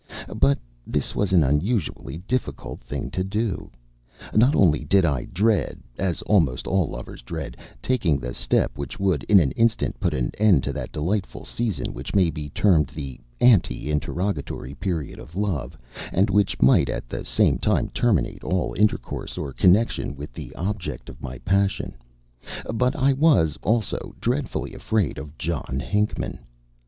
But this was an unusually difficult thing to do. Not only did I dread, as almost all lovers dread, taking the step which would in an instant put an end to that delightful season which may be termed the ante interrogatory period of love, and which might at the same time terminate all intercourse or connection with the object of my passion; but I was, also, dreadfully afraid of John Hinckman.